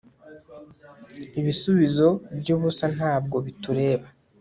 Ibisubizo byubusa ntabwo bitureba